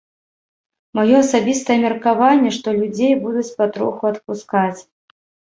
Маё асабістае меркаванне, што людзей будуць патроху адпускаць.